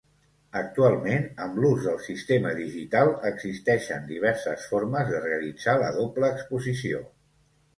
Actualment, amb l'ús del sistema digital, existeixen diverses formes de realitzar la doble exposició.